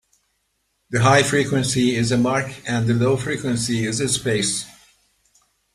The high frequency is a mark, and the low frequency is a space.